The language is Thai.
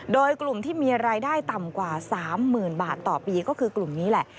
โดยกลุ่มที่มีรายได้ต่ำกว่า๓๐๐๐บาทต่อปีก็คือกลุ่มนี้แหละ